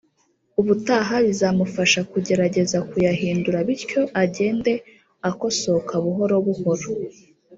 ubutaha bizamufasha kugerageza kuyahindura bityo agende akosoka buhoro buhoro